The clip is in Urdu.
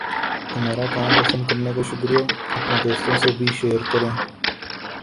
ہمارا کام پسند کرنے کا شکریہ! اپنے دوستوں سے بھی شیئر کریں۔